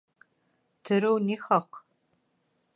Төрөү ни хаҡ?